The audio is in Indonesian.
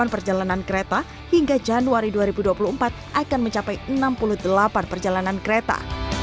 delapan perjalanan kereta hingga januari dua ribu dua puluh empat akan mencapai enam puluh delapan perjalanan kereta